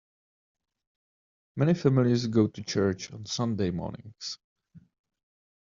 Many families go to church on Sunday mornings.